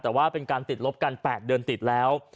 แต่ว่าเป็นการติดลบกัน๘เดือนติดแล้ว